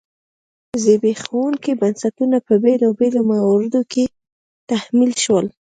زبېښونکي بنسټونه په بېلابېلو مواردو کې تحمیل شول.